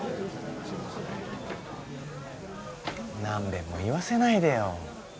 何遍も言わせないでよ。